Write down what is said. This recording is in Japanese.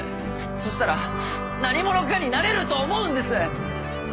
そしたら何者かになれると思うんです！